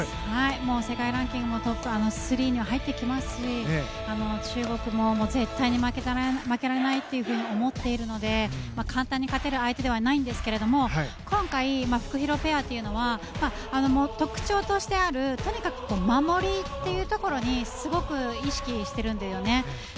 世界ランキングのトップ３には入ってきますし中国も絶対に負けられないと思っているので簡単に勝てる相手ではないんですけれども今回、フクヒロペアというのは特徴としてあるとにかく守りというところにすごく意識してるんですよね。